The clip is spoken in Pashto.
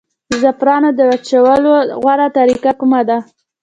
د زعفرانو د وچولو غوره طریقه کومه ده؟